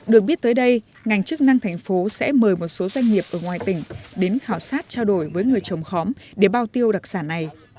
được biết tới đây ngành chức năng thành phố sẽ mời một số doanh nghiệp ở ngoài tỉnh đến khảo sát trao đổi với người trồng khóm để bao tiêu đặc sản này